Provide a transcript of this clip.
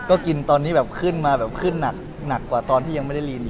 ก็กินตอนนี้แบบขึ้นมาแบบขึ้นหนักกว่าตอนที่ยังไม่ได้ลีน